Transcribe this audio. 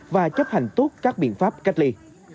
và chấp hành tốt các biện pháp cách ly